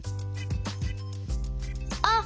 あっ！